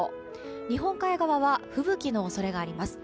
日本海側は吹雪の恐れがあります。